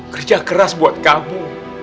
kerja keras buat kamu